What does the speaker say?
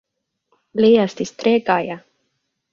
Li estis tre gaja.